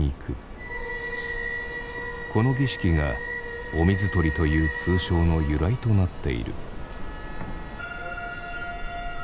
この儀式がお水取りという通称の由来となっている。